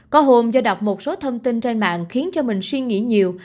có hôm do đọc một số thông tin trên mạng khiến cho mình suy nghĩ nhiều